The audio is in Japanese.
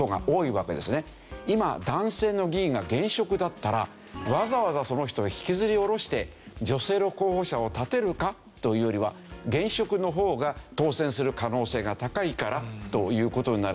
今男性の議員が現職だったらわざわざその人を引きずり下ろして女性の候補者を立てるかというよりは現職の方が当選する可能性が高いからという事になる。